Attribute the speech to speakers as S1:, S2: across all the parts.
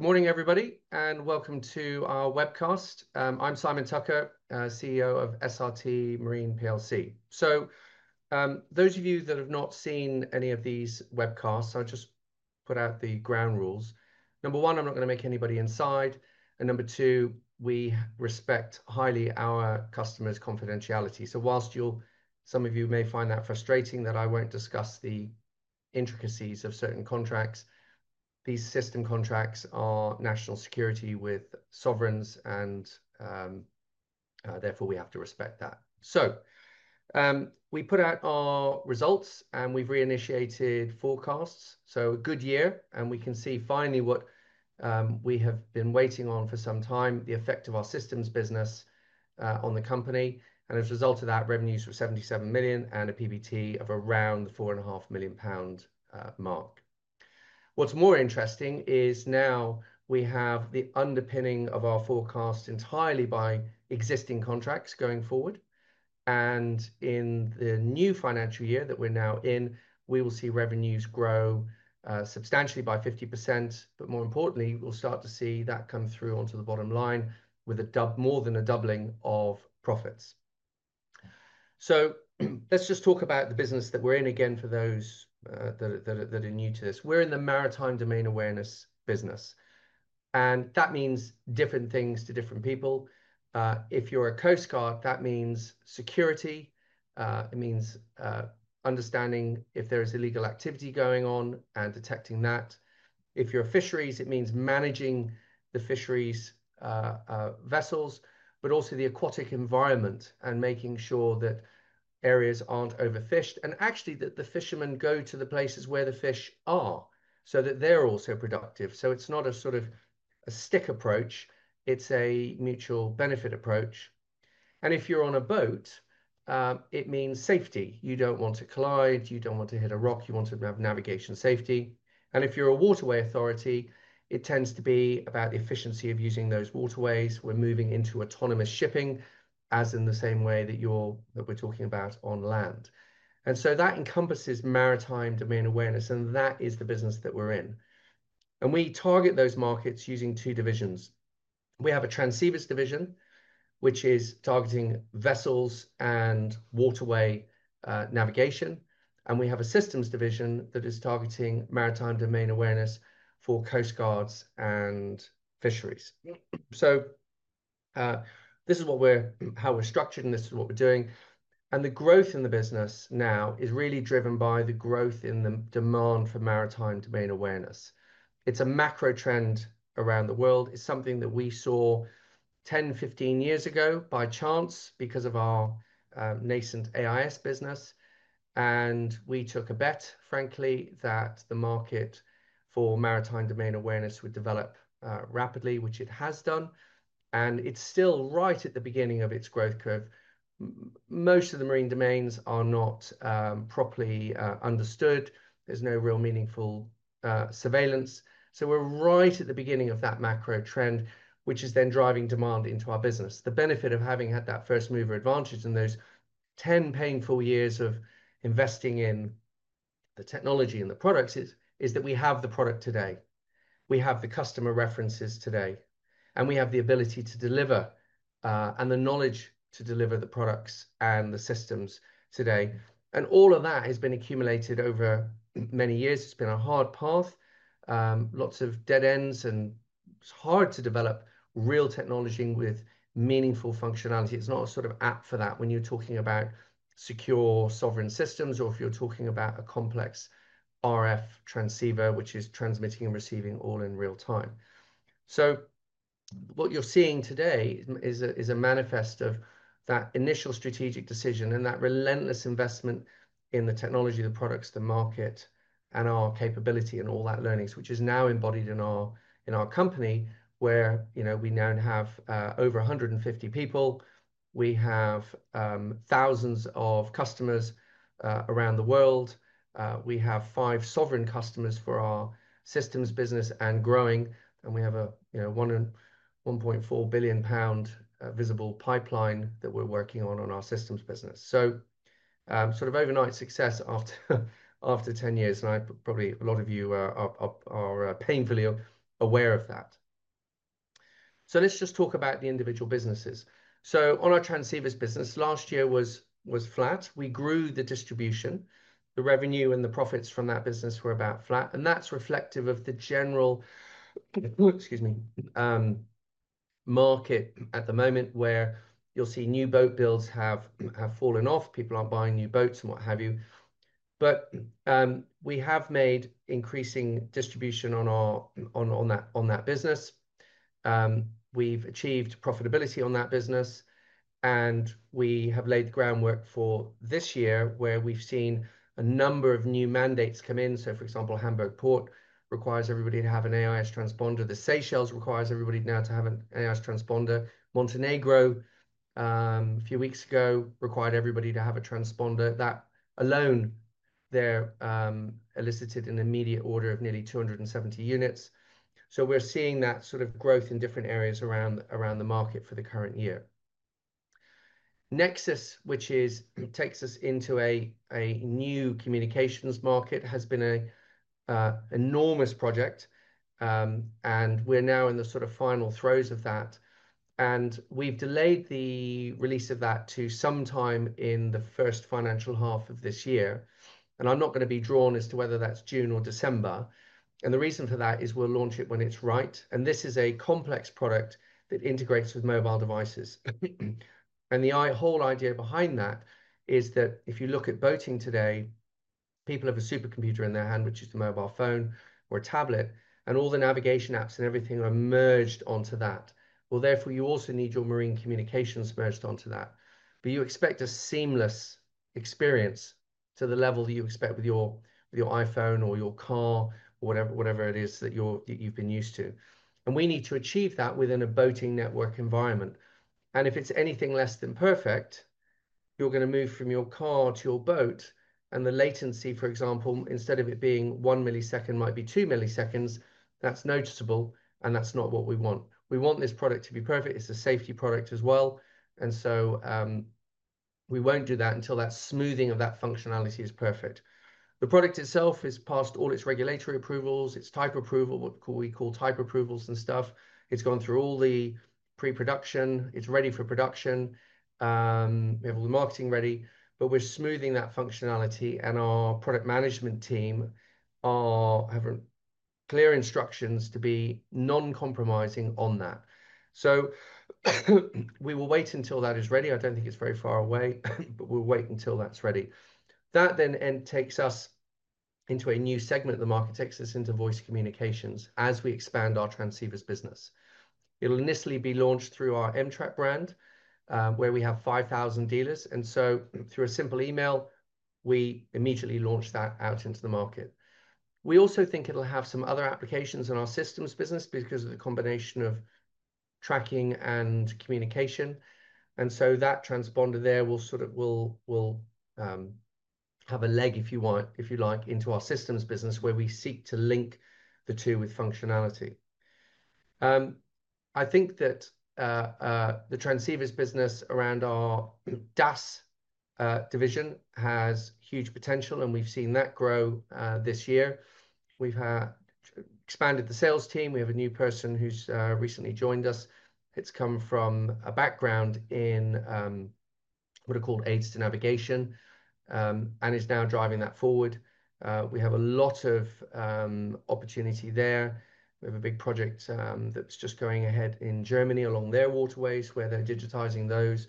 S1: Good morning, everybody, and welcome to our webcast. I'm Simon Tucker, CEO of SRT Marine plc. For those of you that have not seen any of these webcasts, I'll just put out the ground rules. Number one, I'm not going to make anybody inside. Number two, we respect highly our customers' confidentiality. Whilst some of you may find that frustrating that I won't discuss the intricacies of certain contracts, these system contracts are national security with sovereign customers, and therefore, we have to respect that. We put out our results, and we've reinitiated forecasts. It has been a good year, and we can see finally what we have been waiting on for some time, the effect of our systems business on the company. As a result of that, revenues were 77 million and a PBT of around the 4.5 million pound mark. What's more interesting is now we have the underpinning of our forecast entirely by existing contracts going forward. In the new financial year that we're now in, we will see revenues grow substantially by 50%. More importantly, we'll start to see that come through onto the bottom line with more than a doubling of profits. Let's just talk about the business that we're in again for those that are new to this. We're in the Maritime Domain Awareness business. That means different things to different people. If you're a Coast Guard, that means security. It means understanding if there is illegal activity going on and detecting that. If you're fisheries, it means managing the fisheries' vessels, but also the aquatic environment and making sure that areas aren't overfished and actually that the fishermen go to the places where the fish are so that they're also productive. It's not a sort of a stick approach. It's a mutual benefit approach. If you're on a boat, it means safety. You don't want to collide. You don't want to hit a rock. You want to have navigation safety. If you're a waterway authority, it tends to be about the efficiency of using those waterways. We're moving into autonomous shipping, as in the same way that we're talking about on land. That encompasses Maritime Domain Awareness, and that is the business that we're in. We target those markets using two divisions. We have a Transceivers Division, which is targeting vessels and waterway navigation. We have a Systems Division that is targeting Maritime Domain Awareness for Coast Guards and fisheries. This is how we're structured, and this is what we're doing. The growth in the business now is really driven by the growth in the demand for Maritime Domain Awareness. It's a macro trend around the world. It's something that we saw 10, 15 years ago by chance because of our nascent AIS business. We took a bet, frankly, that the market for Maritime Domain Awareness would develop rapidly, which it has done. It's still right at the beginning of its growth curve. Most of the marine domains are not properly understood. There's no real meaningful surveillance. We're right at the beginning of that macro trend, which is then driving demand into our business. The benefit of having had that first mover advantage in those 10 painful years of investing in the technology and the products is that we have the product today. We have the customer references today. We have the ability to deliver and the knowledge to deliver the products and the systems today. All of that has been accumulated over many years. It's been a hard path, lots of dead ends, and it's hard to develop real technology with meaningful functionality. It's not a sort of app for that when you're talking about secure sovereign systems or if you're talking about a complex RF transceiver, which is transmitting and receiving all in real time. What you're seeing today is a manifest of that initial strategic decision and that relentless investment in the technology, the products, the market, and our capability and all that learnings, which is now embodied in our company where we now have over 150 people. We have thousands of customers around the world. We have five sovereign customers for our systems business and growing. We have a 1.4 billion pound visible pipeline that we're working on in our systems business. It's sort of overnight success after 10 years, and probably a lot of you are painfully aware of that. Let's just talk about the individual businesses. On our transceivers business, last year was flat. We grew the distribution. The revenue and the profits from that business were about flat. That's reflective of the general market at the moment where you'll see new boat builds have fallen off. People aren't buying new boats and what have you. We have made increasing distribution on that business. We've achieved profitability on that business. We have laid groundwork for this year where we've seen a number of new mandates come in. For example, Hamburg Port requires everybody to have an AIS transponder. The Seychelles requires everybody now to have an AIS transponder. Montenegro, a few weeks ago, required everybody to have a transponder. That alone elicited an immediate order of nearly 270 units. We're seeing that sort of growth in different areas around the market for the current year. NEXUS, which takes us into a new communications market, has been an enormous project. We're now in the final throes of that, and we've delayed the release of that to sometime in the first financial half of this year. I'm not going to be drawn as to whether that's June or December. The reason for that is we'll launch it when it's right. This is a complex product that integrates with mobile devices. The whole idea behind that is that if you look at boating today, people have a supercomputer in their hand, which is a mobile phone or a tablet, and all the navigation apps and everything are merged onto that. Therefore, you also need your marine communications merged onto that. You expect a seamless experience to the level that you expect with your iPhone or your car or whatever it is that you've been used to. We need to achieve that within a boating network environment. If it's anything less than perfect, you're going to move from your car to your boat, and the latency, for example, instead of it being one millisecond, might be two milliseconds. That's noticeable, and that's not what we want. We want this product to be perfect. It's a safety product as well, so we won't do that until that smoothing of that functionality is perfect. The product itself has passed all its regulatory approvals, its type approval, what we call type approvals and stuff. It's gone through all the pre-production. It's ready for production. We have all the marketing ready, but we're smoothing that functionality, and our product management team has clear instructions to be non-compromising on that. We will wait until that is ready. I don't think it's very far away, but we'll wait until that's ready. That then takes us into a new segment of the market, takes us into voice communications, as we expand our transceivers business. It'll initially be launched through our MTRAP brand, where we have 5,000 dealers, and through a simple email, we immediately launch that out into the market. We also think it'll have some other applications in our systems business because of the combination of tracking and communication. That transponder there will sort of have a leg, if you like, into our systems business where we seek to link the two with functionality. I think that the transceivers business around our DAS division has huge potential, and we've seen that grow this year. We've expanded the sales team. We have a new person who's recently joined us. They've come from a background in what are called aids to navigation and are now driving that forward. We have a lot of opportunity there. We have a big project that's just going ahead in Germany along their waterways where they're digitizing those.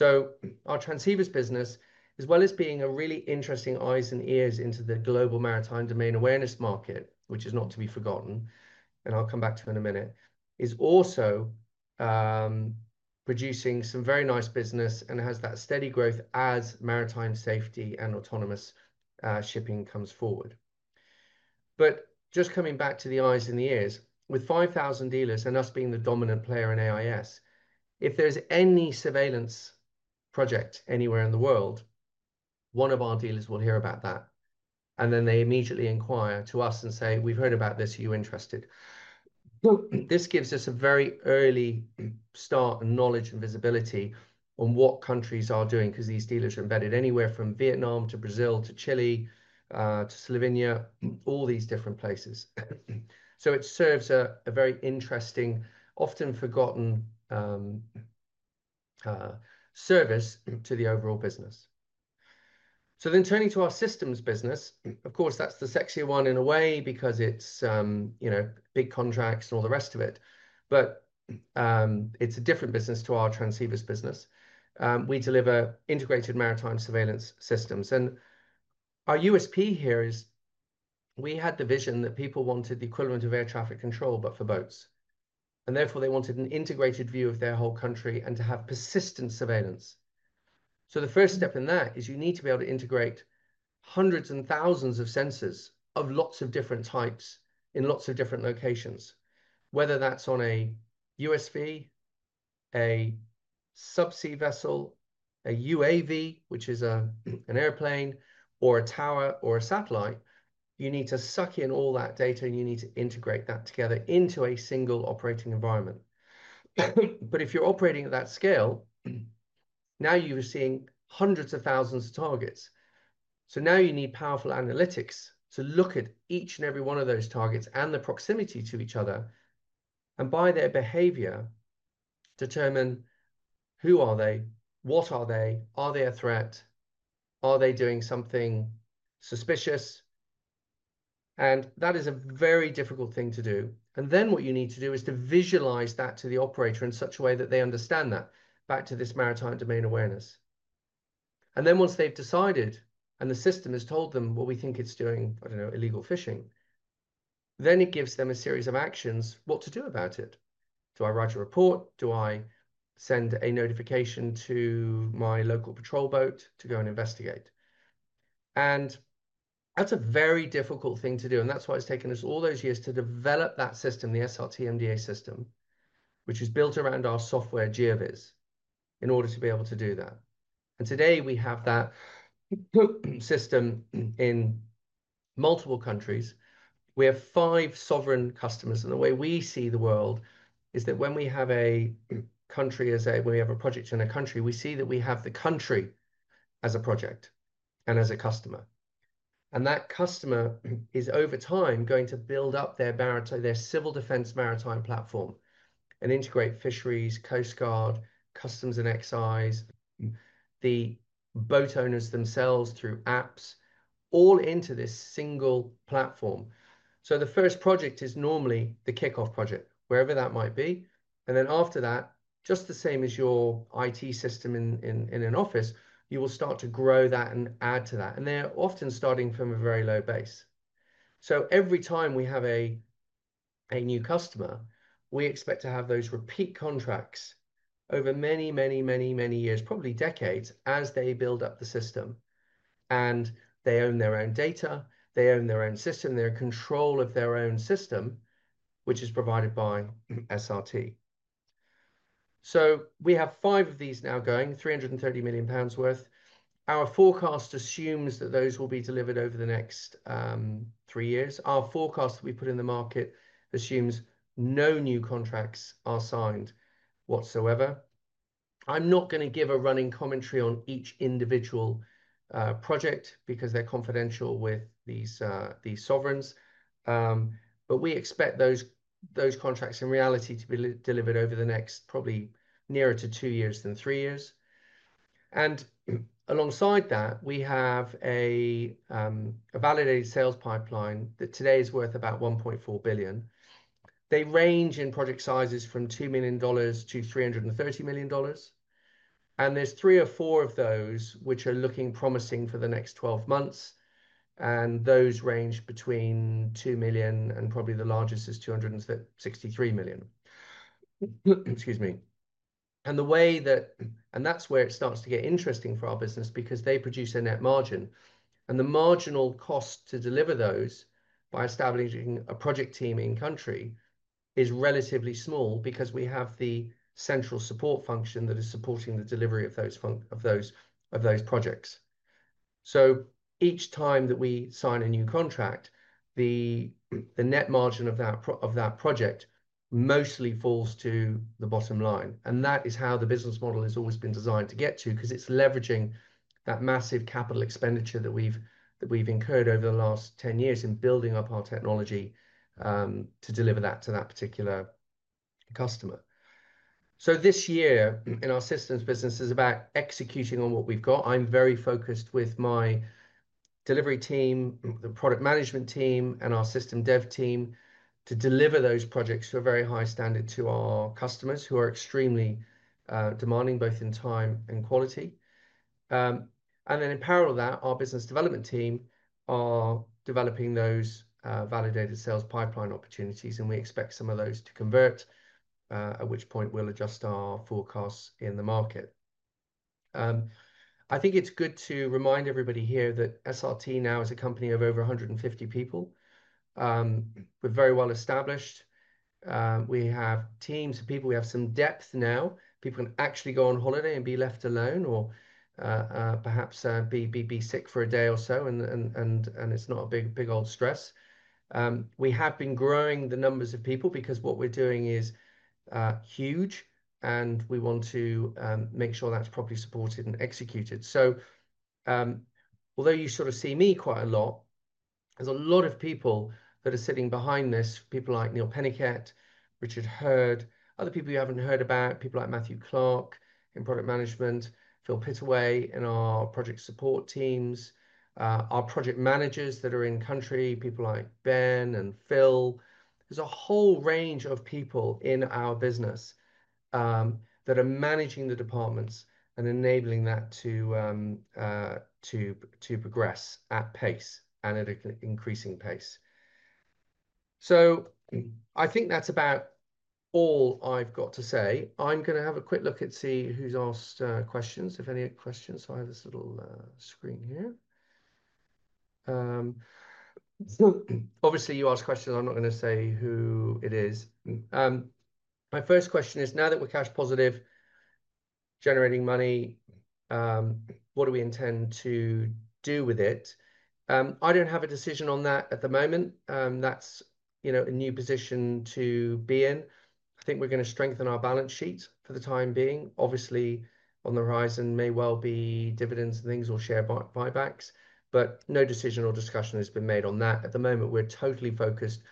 S1: Our transceivers business, as well as being a really interesting eyes and ears into the global Maritime Domain Awareness market, which is not to be forgotten, and I'll come back to it in a minute, is also producing some very nice business and has that steady growth as maritime safety and autonomous shipping comes forward. Just coming back to the eyes and the ears, with 5,000 dealers and us being the dominant player in AIS, if there's any surveillance project anywhere in the world, one of our dealers will hear about that. They immediately inquire to us and say, "We've heard about this. Are you interested?" This gives us a very early start and knowledge and visibility on what countries are doing because these dealers are embedded anywhere from Vietnam to Brazil to Chile to Slovenia, all these different places. It serves a very interesting, often forgotten service to the overall business. Turning to our systems business, of course, that's the sexy one in a way because it's big contracts and all the rest of it. It's a different business to our transceivers business. We deliver integrated maritime surveillance systems. Our USP here is we had the vision that people wanted the equivalent of air traffic control, but for boats. Therefore, they wanted an integrated view of their whole country and to have persistent surveillance. The first step in that is you need to be able to integrate hundreds and thousands of sensors of lots of different types in lots of different locations, whether that's on a USV, a subsea vessel, a UAV, which is an airplane, or a tower or a satellite. You need to suck in all that data, and you need to integrate that together into a single operating environment. If you're operating at that scale, now you're seeing hundreds of thousands of targets. You need powerful analytics to look at each and every one of those targets and the proximity to each other and by their behavior determine who are they, what are they, are they a threat, are they doing something suspicious? That is a very difficult thing to do. What you need to do is to visualize that to the operator in such a way that they understand that, back to this Maritime Domain Awareness. Once they've decided and the system has told them what we think it's doing, I don't know, illegal fishing, then it gives them a series of actions what to do about it. Do I write a report? Do I send a notification to my local patrol boat to go and investigate? That's a very difficult thing to do. That's why it's taken us all those years to develop that system, the SRT MDA system, which is built around our software GeoViz in order to be able to do that. Today we have that system in multiple countries. We have five sovereign customers. The way we see the world is that when we have a country, when we have a project in a country, we see that we have the country as a project and as a customer. That customer is over time going to build up their civil defense maritime platform and integrate fisheries, Coast Guard, Customs and Excise, the boat owners themselves through apps, all into this single platform. The first project is normally the kickoff project, wherever that might be. After that, just the same as your IT system in an office, you will start to grow that and add to that. They're often starting from a very low base. Every time we have a new customer, we expect to have those repeat contracts over many, many, many, many years, probably decades, as they build up the system. They own their own data. They own their own system. They have control of their own system, which is provided by SRT. We have five of these now going, 330 million pounds worth. Our forecast assumes that those will be delivered over the next three years. Our forecast that we put in the market assumes no new contracts are signed whatsoever. I'm not going to give a running commentary on each individual project because they're confidential with these sovereigns. We expect those contracts in reality to be delivered over the next probably nearer to two years than three years. Alongside that, we have a validated sales pipeline that today is worth about $1.4 billion. They range in project sizes from $2 million to $330 million. There are three or four of those which are looking promising for the next 12 months. Those range between $2 million and probably the largest is $263 million. Excuse me. That is where it starts to get interesting for our business because they produce a net margin. The marginal cost to deliver those by establishing a project team in country is relatively small because we have the central support function that is supporting the delivery of those projects. Each time that we sign a new contract, the net margin of that project mostly falls to the bottom line. That is how the business model has always been designed to get to because it's leveraging that massive capital expenditure that we've incurred over the last 10 years in building up our technology to deliver that to that particular customer. This year in our systems business is about executing on what we've got. I'm very focused with my delivery team, the Product Management team, and our System Dev team to deliver those projects to a very high standard to our customers who are extremely demanding both in time and quality. In parallel to that, our Business Development team are developing those validated sales pipeline opportunities. We expect some of those to convert, at which point we'll adjust our forecasts in the market. I think it's good to remind everybody here that SRT now is a company of over 150 people. We're very well established. We have teams of people. We have some depth now. People can actually go on holiday and be left alone or perhaps be sick for a day or so, and it's not a big old stress. We have been growing the numbers of people because what we're doing is huge. We want to make sure that's properly supported and executed. Although you sort of see me quite a lot, there's a lot of people that are sitting behind this, people like Neil Peniket, Richard Hurd, other people you haven't heard about, people like Matthew Clark in Product Management, Phil Pitterway in our Project Support teams, our Project Managers that are in country, people like Ben and Phil. There's a whole range of people in our business that are managing the departments and enabling that to progress at pace and at an increasing pace. I think that's about all I've got to say. I'm going to have a quick look and see who's asked questions, if any questions. I have this little screen here. Obviously, you asked questions. I'm not going to say who it is. My first question is, now that we're cash positive, generating money, what do we intend to do with it? I don't have a decision on that at the moment. That's a new position to be in. I think we're going to strengthen our balance sheet for the time being. Obviously, on the horizon may well be dividends and things or share buybacks. No decision or discussion has been made on that. At the moment, we're totally focused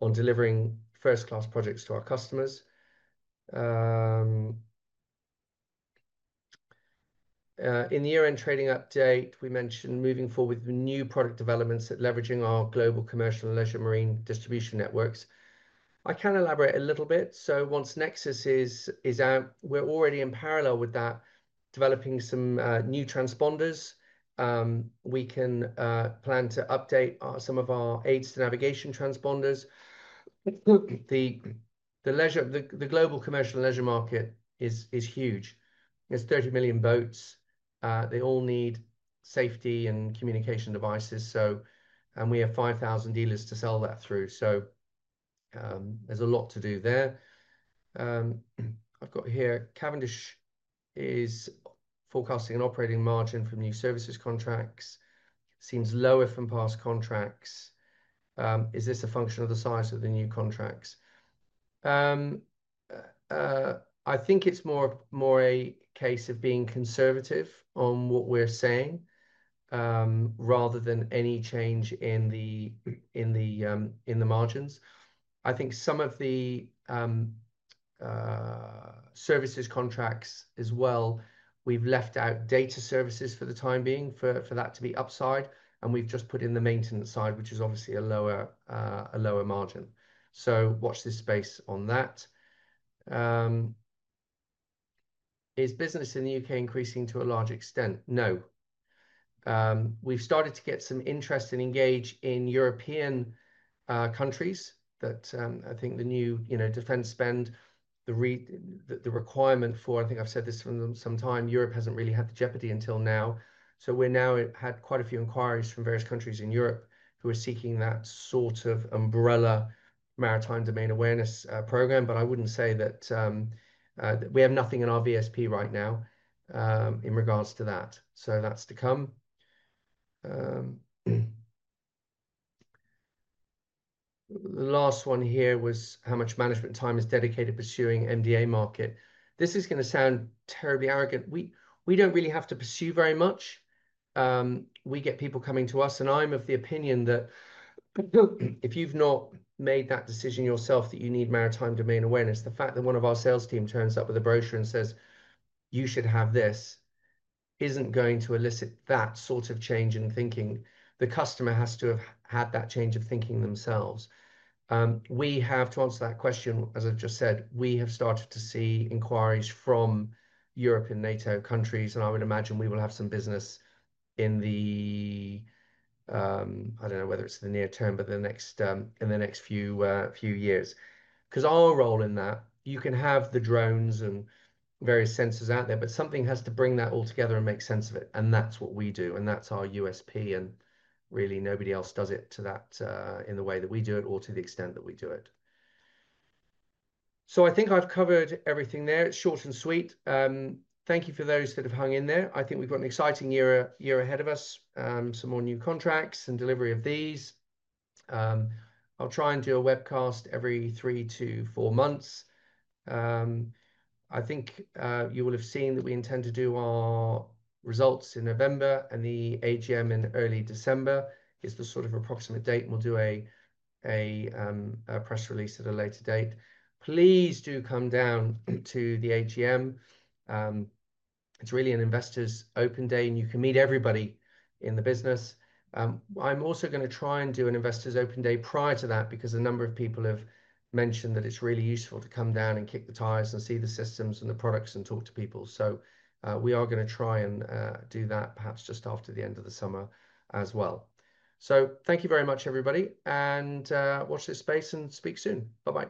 S1: on delivering first-class projects to our customers. In the year-end trading update, we mentioned moving forward with new product developments at leveraging our global commercial and leisure marine distribution networks. I can elaborate a little bit. Once NEXUS is out, we're already in parallel with that developing some new transceivers. We can plan to update some of our aids to navigation transceivers. The global commercial leisure market is huge. There's 30 million boats. They all need safety and communication devices. We have 5,000 dealers to sell that through. There's a lot to do there. I've got here Cavendish is forecasting an operating margin from new services contracts. Seems lower from past contracts. Is this a function of the size of the new contracts? I think it's more a case of being conservative on what we're saying rather than any change in the margins. I think some of the services contracts as well, we've left out data services for the time being for that to be upside. We've just put in the maintenance side, which is obviously a lower margin. Watch this space on that. Is business in the U.K. increasing to a large extent? No. We've started to get some interest and engage in European countries that I think the new defense spend, the requirement for, I think I've said this sometime, Europe hasn't really had the jeopardy until now. We've now had quite a few inquiries from various countries in Europe who are seeking that sort of umbrella Maritime Domain Awareness program. I wouldn't say that we have anything in our VSP right now in regards to that. That's to come. The last one here was how much management time is dedicated pursuing MDA market. This is going to sound terribly arrogant. We don't really have to pursue very much. We get people coming to us. I'm of the opinion that if you've not made that decision yourself that you need Maritime Domain Awareness, the fact that one of our sales team turns up with a brochure and says, "You should have this," isn't going to elicit that sort of change in thinking. The customer has to have had that change of thinking themselves. We have to answer that question. As I've just said, we have started to see inquiries from Europe and NATO countries. I would imagine we will have some business in the, I don't know whether it's the near term, but in the next few years. Our role in that, you can have the drones and various sensors out there, but something has to bring that all together and make sense of it. That's what we do. That's our USP. Really, nobody else does it in the way that we do it or to the extent that we do it. I think I've covered everything there. It's short and sweet. Thank you for those that have hung in there. I think we've got an exciting year ahead of us, some more new contracts and delivery of these. I'll try and do a webcast every three to four months. I think you will have seen that we intend to do our results in November and the AGM in early December. It's the sort of approximate date. We'll do a press release at a later date. Please do come down to the AGM. It's really an investor's open day. You can meet everybody in the business. I'm also going to try and do an investor's open day prior to that because a number of people have mentioned that it's really useful to come down and kick the tires and see the systems and the products and talk to people. We are going to try and do that perhaps just after the end of the summer as well. Thank you very much, everybody. Watch this space and speak soon. Bye-bye.